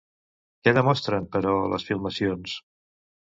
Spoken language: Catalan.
Què demostren, però, les filmacions?